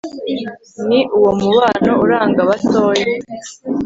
ni uwo mubano uranga abatoya